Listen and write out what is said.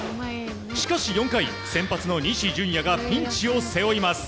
しかし４回、先発の西純矢がピンチを背負います。